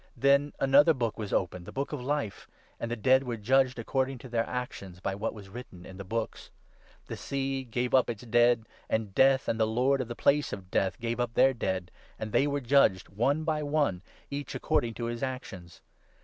Then another book was opened, the Book of Life ; and the dead were judged, according to their actions, by what was written in the books. The sea gave up its dead, and Death 13 and the Lord of the Place of Death gave up their dead ; and they were judged, one by one, each according to his actions.